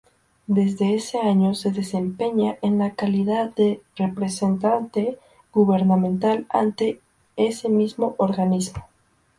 Desde ese año se desempeña en calidad de representante gubernamental ante ese mismo organismo.